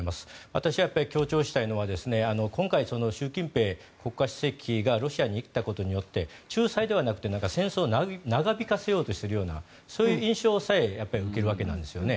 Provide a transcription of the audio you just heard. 私は強調したいのは今回、習近平国家主席がロシアに行ったことによって仲裁ではなくて戦争を長引かせようとしているようなそういう印象さえ受けるわけなんですよね。